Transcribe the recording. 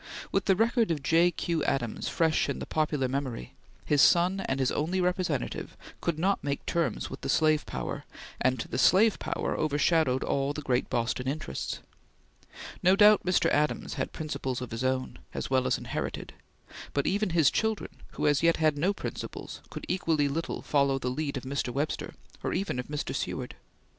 With the record of J. Q. Adams fresh in the popular memory, his son and his only representative could not make terms with the slave power, and the slave power overshadowed all the great Boston interests. No doubt Mr. Adams had principles of his own, as well as inherited, but even his children, who as yet had no principles, could equally little follow the lead of Mr. Webster or even of Mr. Seward.